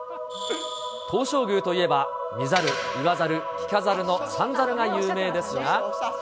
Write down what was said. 東照宮といえば、見ざる、言わざる、聞かざるの三猿が有名ですが。